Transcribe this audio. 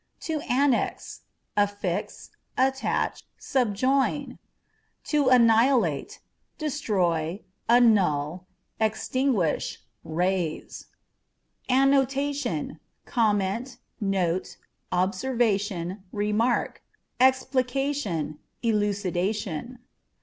To Annex â€" affix, attach, subjoin. To Annihilate â€" destroy, annul, extinguish, raze. ANNâ€" APE, 13 Annotation â€" comment, note, observation, remark; explica . tion, elucidation.